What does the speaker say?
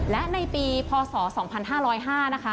และในปีพศ๒๕๐๕นะคะ